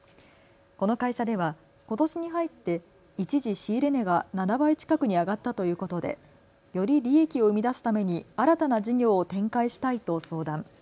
この会社ではことしに入って一時、仕入れ値が７倍近くに上がったということで、より利益を生み出すために新たな事業を展開したいと相談。